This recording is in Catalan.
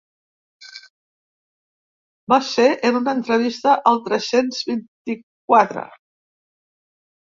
Va ser en una entrevista al tres-cents vint-i-quatre.